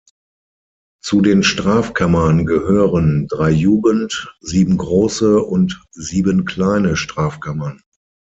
Zu den Strafkammern gehören drei Jugend-, sieben Große und sieben kleine Strafkammern.